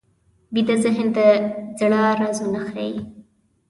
ویده ذهن د زړه رازونه ښيي